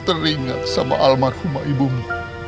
teringat sama almarhum ibumu